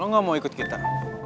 lo gak mau ikut kita